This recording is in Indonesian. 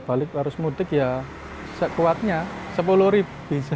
kalau pas harus mudik ya sekuatnya sepuluh ribu bisa